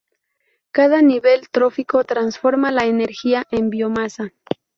Cada nivel trófico transforma la energía en biomasa.